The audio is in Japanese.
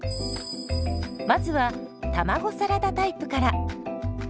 まずは卵サラダタイプから。